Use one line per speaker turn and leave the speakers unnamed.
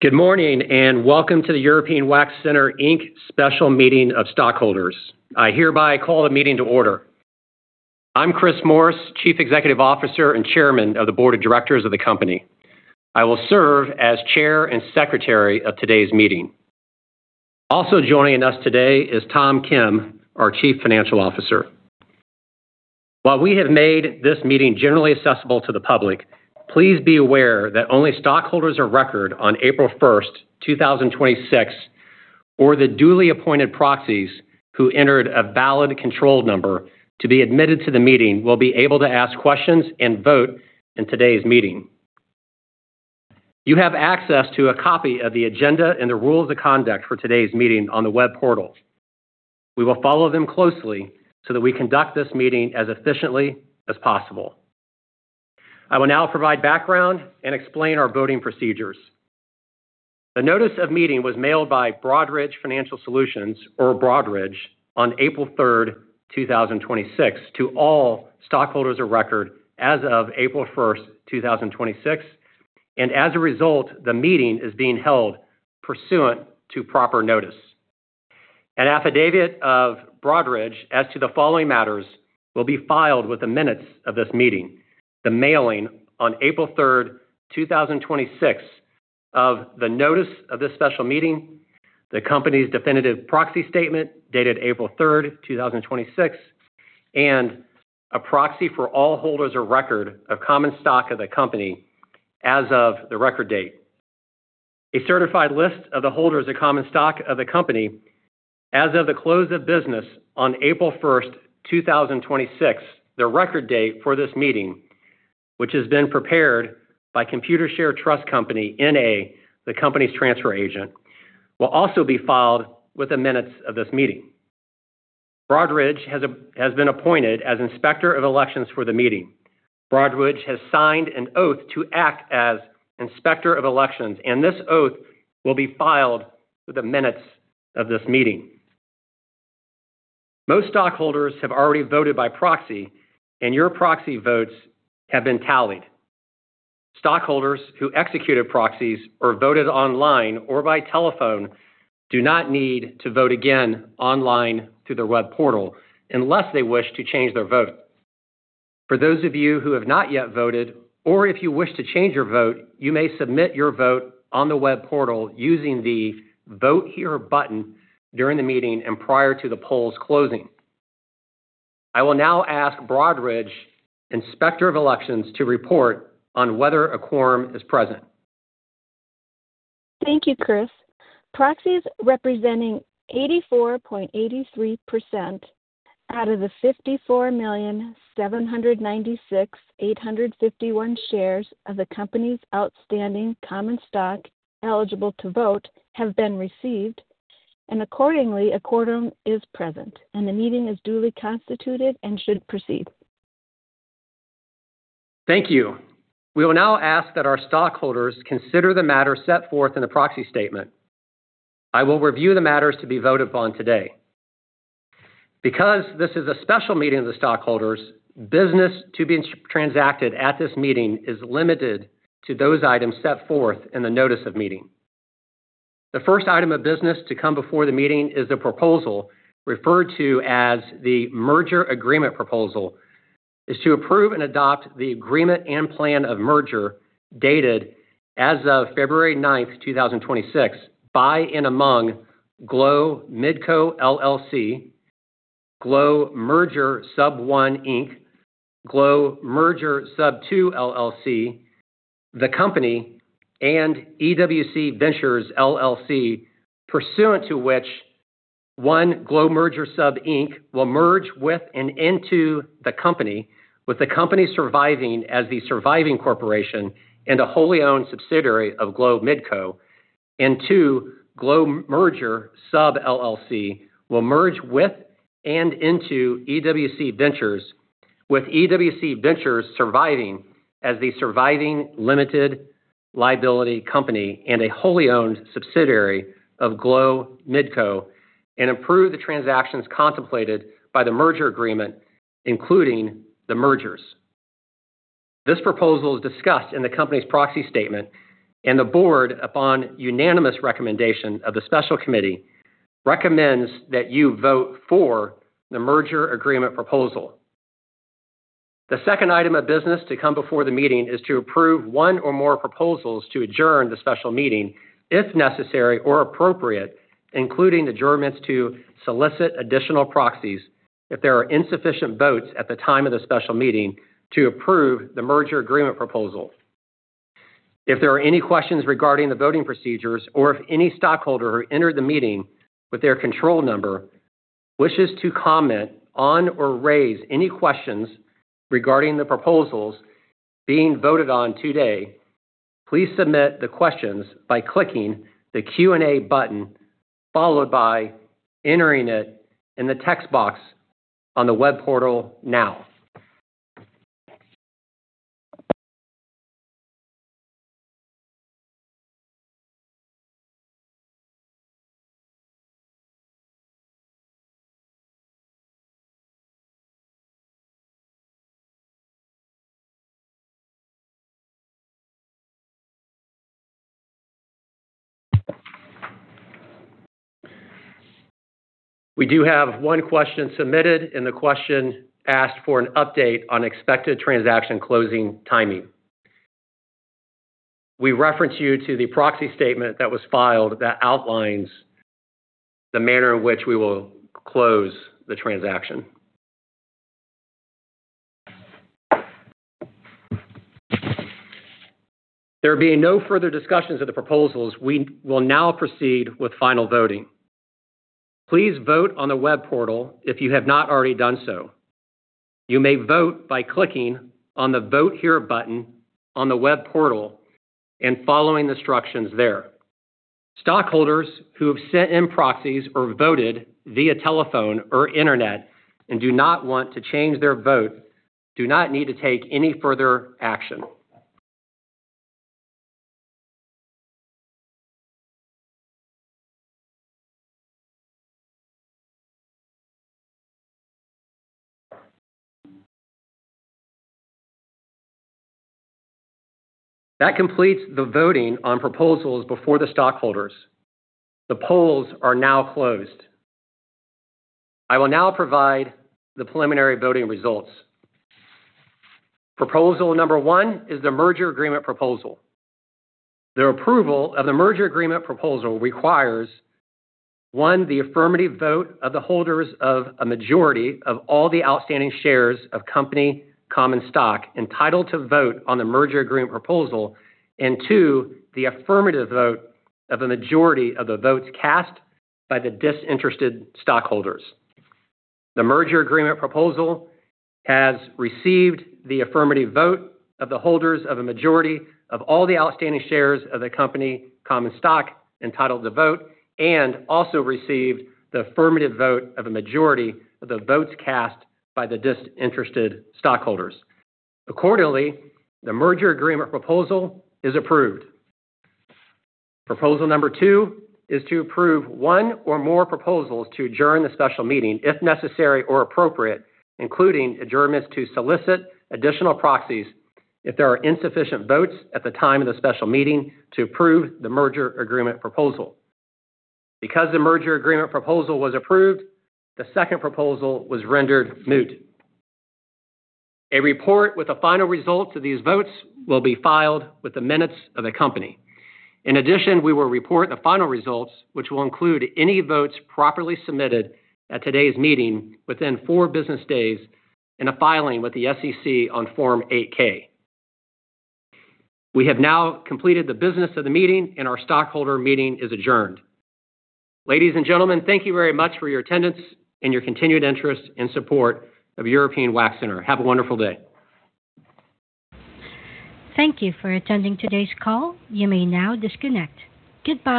Good morning. Welcome to the European Wax Center, Inc. special meeting of stockholders. I hereby call the meeting to order. I'm Chris Morris, Chief Executive Officer and Chairman of the Board of Directors of the company. I will serve as chair and secretary of today's meeting. Also joining us today is Tom Kim, our Chief Financial Officer. While we have made this meeting generally accessible to the public, please be aware that only stockholders of record on April 1, 2026, or the duly appointed proxies who entered a valid control number to be admitted to the meeting will be able to ask questions and vote in today's meeting. You have access to a copy of the agenda and the rules of conduct for today's meeting on the web portal. We will follow them closely so that we conduct this meeting as efficiently as possible. I will now provide background and explain our voting procedures. The notice of meeting was mailed by Broadridge Financial Solutions, or Broadridge, on April third, 2026 to all stockholders of record as of April first, 2026, and as a result, the meeting is being held pursuant to proper notice. An affidavit of Broadridge as to the following matters will be filed with the minutes of this meeting. The mailing on April third, 2026 of the notice of this special meeting, the company's definitive proxy statement dated April third, 2026, and a proxy for all holders of record of common stock of the company as of the record date. A certified list of the holders of common stock of the company as of the close of business on April first, 2026, the record date for this meeting, which has been prepared by Computershare Trust Company, N.A., the company's transfer agent, will also be filed with the minutes of this meeting. Broadridge has been appointed as inspector of elections for the meeting. Broadridge has signed an oath to act as inspector of elections. This oath will be filed with the minutes of this meeting. Most stockholders have already voted by proxy. Your proxy votes have been tallied. Stockholders who executed proxies or voted online or by telephone do not need to vote again online through the web portal unless they wish to change their vote. For those of you who have not yet voted or if you wish to change your vote, you may submit your vote on the web portal using the Vote Here button during the meeting and prior to the polls closing. I will now ask Broadridge, Inspector of Elections, to report on whether a quorum is present.
Thank you, Chris. Proxies representing 84.83% out of the 54,796,851 shares of the company's outstanding common stock eligible to vote have been received, and accordingly, a quorum is present, and the meeting is duly constituted and should proceed.
Thank you. We will now ask that our stockholders consider the matter set forth in the proxy statement. I will review the matters to be voted upon today. This is a special meeting of the stockholders, business to be transacted at this meeting is limited to those items set forth in the notice of meeting. The first item of business to come before the meeting is the proposal referred to as the merger agreement proposal, is to approve and adopt the agreement and plan of merger dated as of February ninth, 2026 by and among Glow Midco, LLC, Glow Merger Sub one, Inc., Glow Merger Sub two, LLC, the company, and EWC Ventures, LLC, pursuant to which one Glow Merger Sub Inc. will merge with and into the company, with the company surviving as the surviving corporation and a wholly owned subsidiary of Glow Midco, and two, Glow Merger Sub LLC will merge with and into EWC Ventures, with EWC Ventures surviving as the surviving limited liability company and a wholly owned subsidiary of Glow Midco and approve the transactions contemplated by the merger agreement, including the mergers. This proposal is discussed in the company's proxy statement, and the board, upon unanimous recommendation of the special committee, recommends that you vote for the merger agreement proposal. The one item of business to come before the meeting is to approve one or more proposals to adjourn the special meeting if necessary or appropriate, including adjournments to solicit additional proxies if there are insufficient votes at the time of the special meeting to approve the merger agreement proposal. If there are any questions regarding the voting procedures or if any stockholder who entered the meeting with their control number wishes to comment on or raise any questions regarding the proposals being voted on today, please submit the questions by clicking the Q&A button followed by entering it in the text box on the web portal now. We do have one question submitted, and the question asked for an update on expected transaction closing timing. We reference you to the proxy statement that was filed that outlines the manner in which we will close the transaction. There being no further discussions of the proposals, we will now proceed with final voting. Please vote on the web portal if you have not already done so. You may vote by clicking on the Vote Here button on the web portal and following the instructions there. Stockholders who have sent in proxies or voted via telephone or internet and do not want to change their vote do not need to take any further action. That completes the voting on proposals before the stockholders. The polls are now closed. I will now provide the preliminary voting results. Proposal number one is the merger agreement proposal. The approval of the merger agreement proposal requires, one, the affirmative vote of the holders of a majority of all the outstanding shares of company common stock entitled to vote on the merger agreement proposal, and two, the affirmative vote of a majority of the votes cast by the disinterested stockholders. The merger agreement proposal has received the affirmative vote of the holders of a majority of all the outstanding shares of the company common stock entitled to vote, and also received the affirmative vote of a majority of the votes cast by the disinterested stockholders. Accordingly, the merger agreement proposal is approved. Proposal number two is to approve one or more proposals to adjourn the special meeting, if necessary or appropriate, including adjournments to solicit additional proxies if there are insufficient votes at the time of the special meeting to approve the merger agreement proposal. Because the merger agreement proposal was approved, the second proposal was rendered moot. A report with the final results of these votes will be filed with the minutes of the company. In addition, we will report the final results, which will include any votes properly submitted at today's meeting within four business days in a filing with the SEC on Form 8-K. We have now completed the business of the meeting. Our stockholder meeting is adjourned. Ladies and gentlemen, thank you very much for your attendance and your continued interest and support of European Wax Center. Have a wonderful day.
Thank you for attending today's call. You may now disconnect. Goodbye.